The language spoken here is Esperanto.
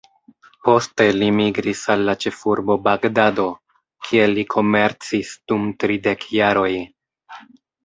Poste li migris al la ĉefurbo Bagdado, kie li komercis dum tridek jaroj.